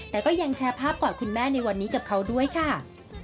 แต่ก็ยังแชร์ภาพกอดคุณแม่ในวันนี้กับเขาด้วยค่ะ